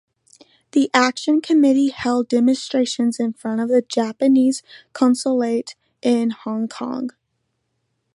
The Action Committee held demonstrations in front of the Japanese consulate in Hong Kong.